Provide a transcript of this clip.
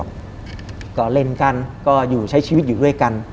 เจอเล่นกันใช้ชีวิตอยู่ด้วยกัน